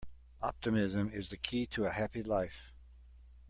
Optimism is the key to a happy life.